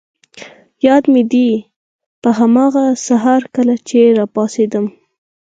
یاد مي دي، په هماغه سهار کله چي راپاڅېدم.